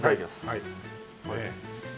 はい。